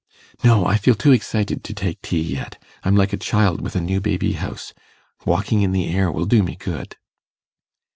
'No, I feel too excited to take tea yet. I'm like a child with a new baby house. Walking in the air will do me good.